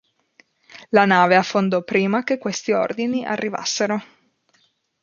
La nave affondò prima che questi ordini arrivassero.